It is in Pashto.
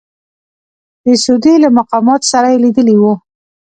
د سعودي له مقاماتو سره یې لیدلي وو.